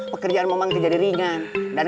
pekerjaan mamang jadi ringan